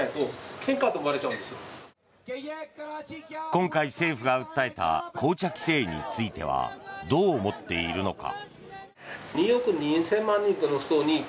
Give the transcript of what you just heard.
今回、政府が訴えた紅茶規制についてはどう思っているのか。